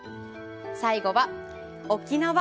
最後は、沖縄。